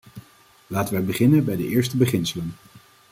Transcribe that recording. Laten wij beginnen bij de eerste beginselen.